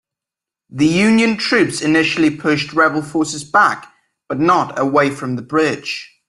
The Union troops initially pushed Rebel forces back, but not away from the bridge.